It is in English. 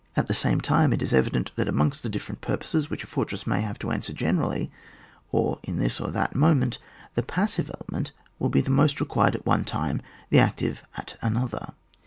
At the same time it is evident that amongst the different purposes which a fortress may have to answer generally, or in this or that moment, the passive element will be most required at one time, the active at another.